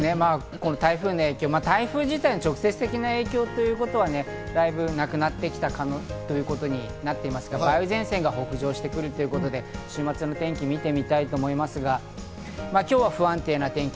台風の影響、台風自体の直接的な影響はだいぶなくなってきたということになっていますが、梅雨前線が北上してくるので、週末の天気を見ると、今日は不安定な天気。